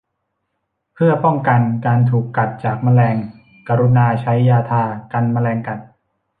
เพื่อป้องกันการถูกกัดจากแมลง กรุณาใช้ยาทากันแมลงกัด